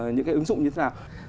những cái ứng dụng như thế nào